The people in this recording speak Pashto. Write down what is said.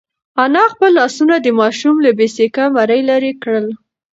انا خپل لاسونه د ماشوم له بې سېکه مرۍ لرې کړل.